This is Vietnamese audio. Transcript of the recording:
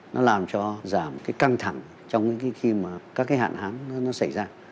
nó làm cho giảm căng thẳng trong khi mà các hạn hán nó xảy ra